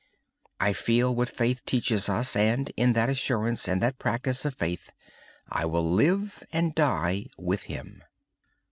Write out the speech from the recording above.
I feel what faith teaches us, and, in that assurance and that practice of faith, I live and die with Him.